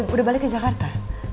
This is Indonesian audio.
udah balik ke jakarta